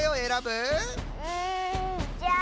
うんじゃあ。